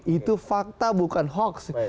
itu fakta bukan hoax